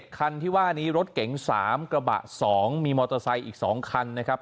คันที่ว่านี้รถเก๋ง๓กระบะ๒มีมอเตอร์ไซค์อีก๒คันนะครับ